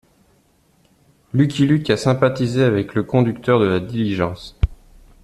Lucky Luke a sympathisé avec le conducteur de la diligence.